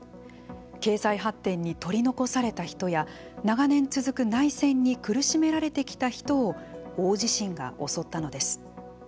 経済発展に取り残された人や長年続く内戦に苦しめられてきた人を大地震が襲ったのです。